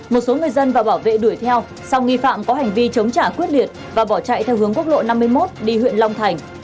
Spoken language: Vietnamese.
một số người dân và bảo vệ đuổi theo sau nghi phạm có hành vi chống trả quyết liệt và bỏ chạy theo hướng quốc lộ năm mươi một đi huyện long thành